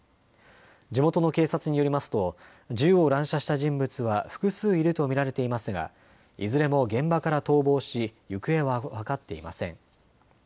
地元の警察によりますと銃を乱射した人物は複数いると見られていますがいずれも現場から逃亡し行方は分かっていません。